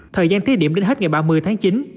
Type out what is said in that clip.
thời gian thí điểm đến hết ngày ba mươi tháng chín